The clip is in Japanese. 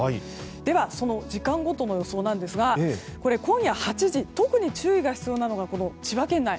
では、その時間ごとの予想なんですが今夜８時、特に注意が必要なのが千葉県内。